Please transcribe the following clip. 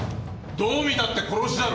どう見たって殺しだろ。